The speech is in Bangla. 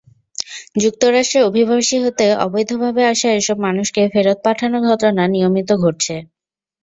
যুক্তরাষ্ট্রে অভিবাসী হতে অবৈধভাবে আসা এসব মানুষকে ফেরত পাঠানোর ঘটনা নিয়মিত ঘটছে।